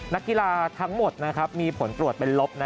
นักกีฬาทั้งหมดมีผลตรวจเป็นลบ